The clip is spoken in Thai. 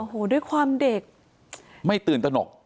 โอ้โหด้วยความเด็กไม่ตื่นตนก